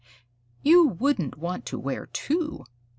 "You wouldn't want to wear two?"